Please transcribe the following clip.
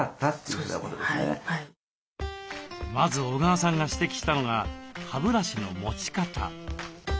まず小川さんが指摘したのが歯ブラシの持ち方。